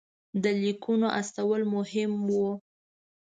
د لیکونو استول مهم وو.